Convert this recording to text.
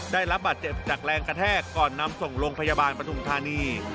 ได้รับบาดเจ็บจากแรงกระแทกก่อนนำส่งโรงพยาบาลปฐุมธานี